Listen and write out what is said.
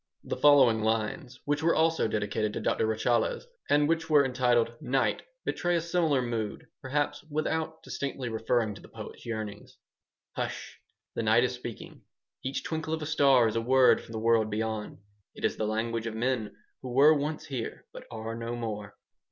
The following lines, which were also dedicated to Doctor Rachaeles and which were entitled "Night," betray a similar mood, perhaps, without distinctly referring to the poet's yearnings "Hush! the night is speaking. Each twinkle of a star is a word from the world beyond. It is the language of men who were once here, but are no more.